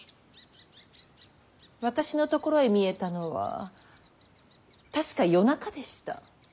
私のところへ見えたのは確か夜中でした。